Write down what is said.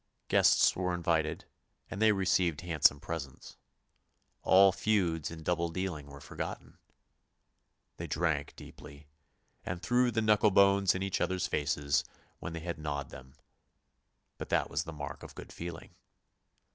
Guests were invited, and they received handsome presents. All feuds and double dealing were forgotten. They drank deeply, and threw the knuckle bones in each other's faces when they had gnawed them, but that was a mark of good feeling.